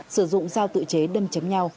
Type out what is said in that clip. sử dụng dao tự chế đâm chấm nhau